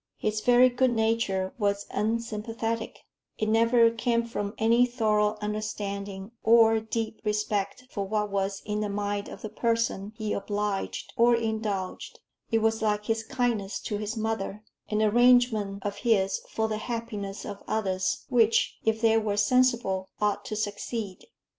His very good nature was unsympathetic; it never came from any thorough understanding or deep respect for what was in the mind of the person he obliged or indulged; it was like his kindness to his mother an arrangement of his for the happiness of others, which, if they were sensible, ought to succeed.